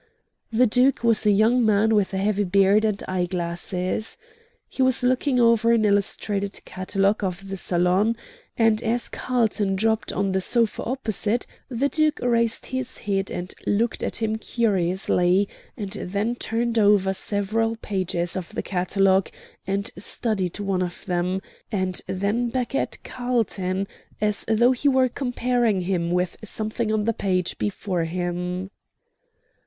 The Duke was a young man with a heavy beard and eyeglasses. He was looking over an illustrated catalogue of the Salon, and as Carlton dropped on the sofa opposite the Duke raised his head and looked at him curiously, and then turned over several pages of the catalogue and studied one of them, and then back at Carlton, as though he were comparing him with something on the page before him.